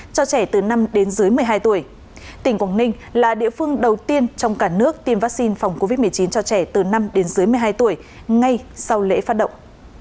cho trẻ từ năm đến dưới một mươi hai tuổi tỉnh quảng ninh là địa phương đầu tiên trong cả nước tiêm vaccine phòng covid một mươi chín cho trẻ từ năm đến dưới một mươi hai tuổi ngay sau lễ phát động